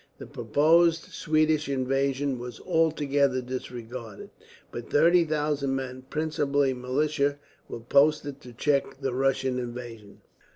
The proposed Swedish invasion was altogether disregarded; but thirty thousand men, principally militia, were posted to check the Russian invasion.